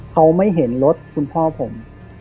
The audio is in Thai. เขาไม่เห็นรถคุณพ่อผม